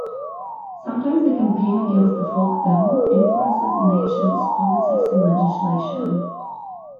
Sometimes the campaign against the folk devil influences a nation's politics and legislation.